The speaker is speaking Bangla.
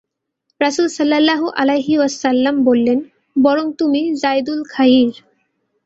রাসূল সাল্লাল্লাহু আলাইহি ওয়াসাল্লাম বললেন, বরং তুমি যাইদুল খাইর।